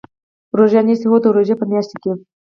روژه نیسئ؟ هو، د روژی په میاشت کې